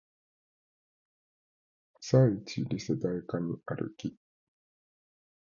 朝イチリセ台カニ歩き